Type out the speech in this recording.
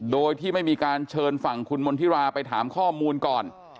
โดยที่ไม่มีการเชิญฝั่งคุณมณฑิราไปถามข้อมูลก่อน